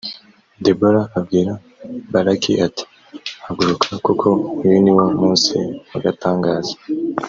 debora abwira baraki ati haguruka kuko uyu niwo munsi wagatangaza